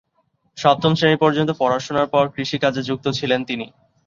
সপ্তম শ্রেণী পর্যন্ত পড়াশোনার পর কৃষি কাজে যুক্ত ছিলেন তিনি।